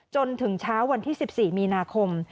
จนถึงเช้าวันที่๑๔มีนาคม